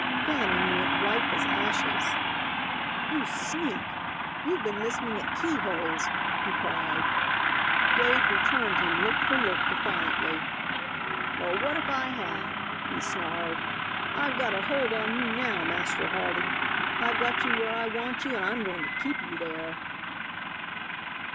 Fanning went white as ashes. "You sneak! You've been listening at keyholes!" he cried. Dade returned him look for look defiantly. "Well, what if I have?" he snarled. "I've got a hold on you now, Master Harding. I've got you where I want you and I'm going to keep you there."